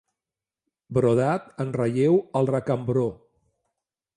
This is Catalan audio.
Brodat en relleu al recambró.